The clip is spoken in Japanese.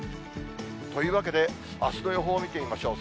というわけで、あすの予報を見てみましょう。